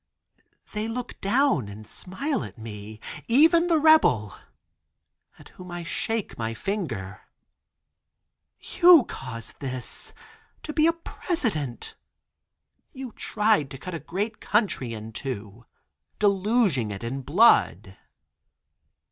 They look down and smile at me, even the rebel, at whom I shake my finger." "You caused it, to be a President. You tried to cut a great country in two; deluging it in blood."